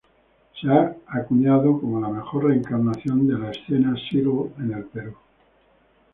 Se ha acuñado como la mejor "reencarnación" de la escena Seattle en el Perú.